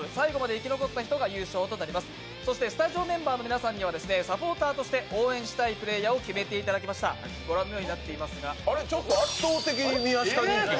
スタジオメンバーの皆さんにはサポーターとして応援したいプレーヤーを決めていただきましたご覧のようになっていますが。